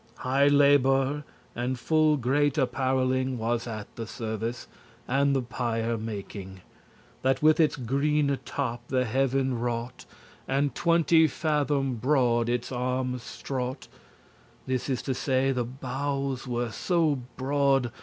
High labour, and full great appareling* *preparation Was at the service, and the pyre making, That with its greene top the heaven raught*, *reached And twenty fathom broad its armes straught*: *stretched This is to say, the boughes were so broad.